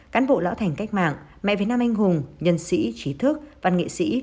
cán bộ lão thành cách mạng mẹ việt nam anh hùng nhân sĩ trí thức văn nghệ sĩ